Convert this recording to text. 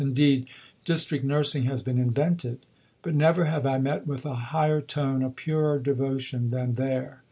Indeed District nursing has been invented. But never have I met with a higher tone, a purer devotion, than there.